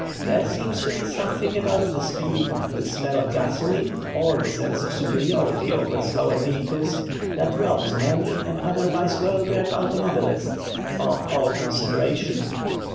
There seems to be something about the speed, the smell of gasoline or the sense of superiority over slower vehicles, that robs many an otherwise well bred automobilist of all consideration.